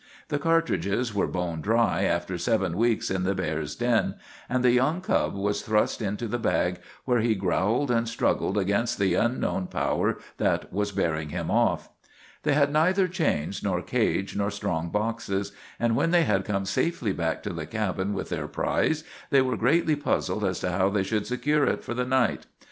The cartridges were bone dry after seven weeks in the bears' den, and the young cub was thrust into the bag, where he growled and struggled against the unknown power that was bearing him off. They had neither chains nor cage nor strong boxes, and when they had come safely back to the cabin with their prize they were greatly puzzled as to how they should secure it for the night.